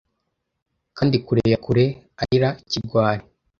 kandi kure ya kure arira ikigwari